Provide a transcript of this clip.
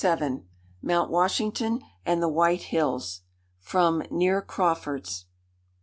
MOUNT WASHINGTON AND THE WHITE HILLS. (FROM NEAR CRAWFORD'S.)